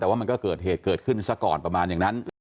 แต่ว่ามันก็เกิดเหตุเกิดขึ้นซะก่อนประมาณอย่างนั้น